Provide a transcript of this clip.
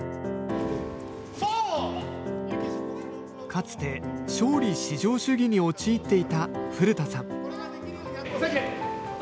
かつて勝利至上主義に陥っていた古田さん。